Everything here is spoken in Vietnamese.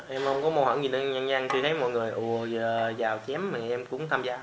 em không có mâu hẳn gì nhanh nhanh chứ thấy mọi người ồ giờ dao chém em cũng tham gia